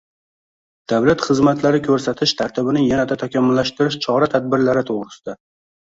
davlat xizmatlari ko‘rsatish tartibini yanada takomillashtirish chora-tadbirlari to‘g‘risida”